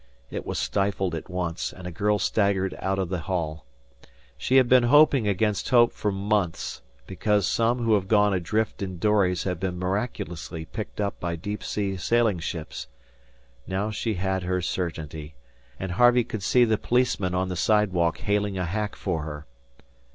It was stifled at once, and a girl staggered out of the hall. She had been hoping against hope for months, because some who have gone adrift in dories have been miraculously picked up by deep sea sailing ships. Now she had her certainty, and Harvey could see the policeman on the sidewalk hailing a hack for her.